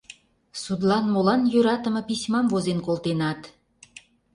Судлан молан йӧратыме письмам возен колтенат?